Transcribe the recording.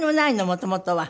もともとは。